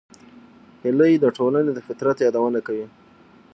هیلۍ د ټولنې د فطرت یادونه کوي